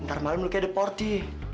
ntar malem lucky ada party